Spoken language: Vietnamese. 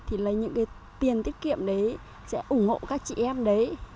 thì lấy những cái tiền tiết kiệm đấy sẽ ủng hộ các chị em đấy